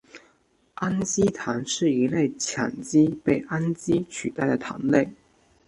氨基糖是一类羟基被氨基取代的糖类。